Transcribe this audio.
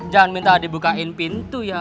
jangan minta dibukain pintu ya